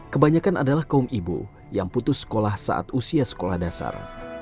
kebanyakan adalah kaum ibu yang putus sekolah saat usia sekolah dasar